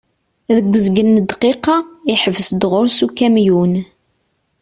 Deg uzgen n dqiqa, iḥbes-d ɣur-s ukamyun.